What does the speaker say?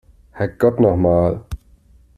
Herrgott noch mal!